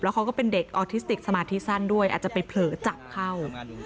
เขาก็เป็นเด็กออทิสติกสมาธิสั้นด้วยอาจจะไปเผลอจับเข้า